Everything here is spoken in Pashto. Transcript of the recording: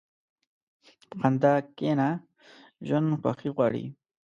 په خندا کښېنه، ژوند خوښي غواړي.